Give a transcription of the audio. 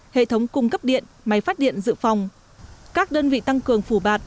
hệ thống cung cấp điện máy phát điện dự phòng các đơn vị tăng cường phủ bạt